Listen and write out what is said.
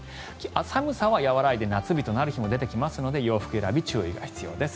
寒さは和らいで夏日となる日も出てきますので洋服選び、注意が必要です。